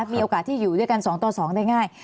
มีโอกาสที่อยู่ด้วยกัน๒ต่อ๒ได้ง่าย